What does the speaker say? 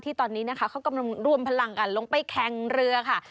ตอนนี้นะคะเขากำลังรวมพลังกันลงไปแข่งเรือค่ะ